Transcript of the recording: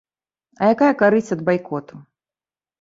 А якая карысць ад байкоту?